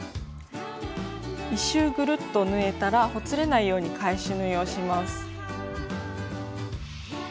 １周ぐるっと縫えたらほつれないように返し縫いをします。